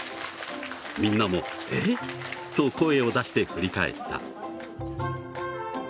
みんなも「えっ！」と声を出して振り返った。